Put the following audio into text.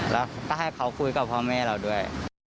แล้วก็ให้เขาคุยกับพ่อแม่เราด้วย